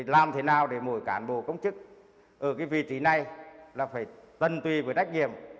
làm thế nào để mỗi cán bộ công chức ở cái vị trí này là phải tân tùy với trách nhiệm